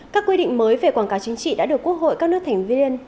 các quy định mới về quảng cáo chính trị đã được quốc hội các nước thành viên